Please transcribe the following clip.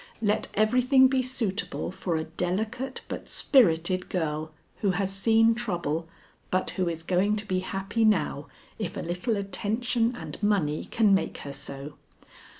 Let everything be suitable for a delicate but spirited girl who has seen trouble, but who is going to be happy now if a little attention and money can make her so.